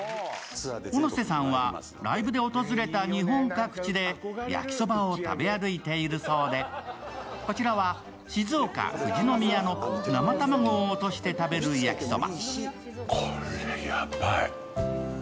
小野瀬さんはライブで訪れた日本各地で焼きそばを食べ歩いているそうでこちらは、静岡・富士宮の生卵を落として食べる焼きそば。